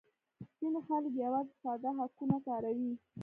ځینې خلک یوازې ساده هکونه کاروي